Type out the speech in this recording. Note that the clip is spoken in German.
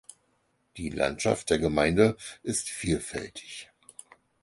Die Landschaft der Gemeinde ist vielfältig.